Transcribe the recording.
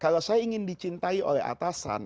kalau saya ingin dicintai oleh atasan